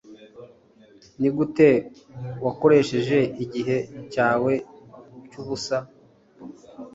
nigute wakoresheje igihe cyawe cyubusa